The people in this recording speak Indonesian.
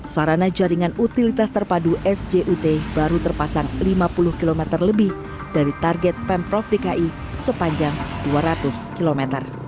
sarana jaringan utilitas terpadu sjut baru terpasang lima puluh km lebih dari target pemprov dki sepanjang dua ratus km